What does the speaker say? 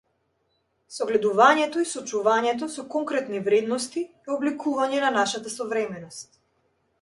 Согледувањето и соочувањето со конкретни вредности е обликување на нашата современост.